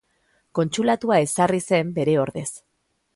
Kontsulatua ezarri zen bere ordez.